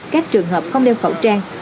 các trường hợp không đeo khẩu trang